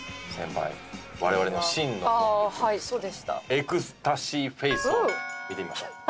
エクスタシーフェイスを見てみましょう。